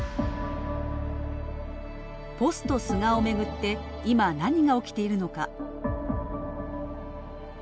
ポスト菅を巡って今、何が起きているのか。